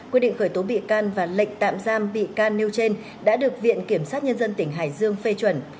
quyết định khởi tố bị can và lệnh tạm giam bị can nêu trên đã được viện kiểm sát nhân dân tỉnh hải dương phê chuẩn